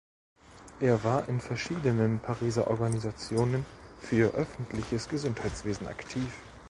Er war in verschiedenen Pariser Organisationen für öffentliches Gesundheitswesen aktiv.